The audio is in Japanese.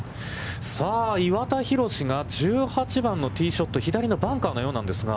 さあ岩田寛が１８番のティーショット、左のバンカーのようなんですが。